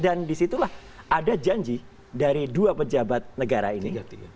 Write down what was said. dan di situlah ada janji dari dua pejabat negara ini